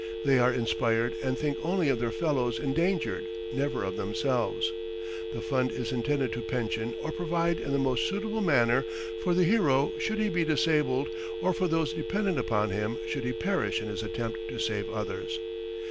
They are inspired and think only of their fellows endangered; never of themselves. The fund is intended to pension or provide in the most suitable manner for the hero should he be disabled, or for those dependent upon him should he perish in his attempt to save others.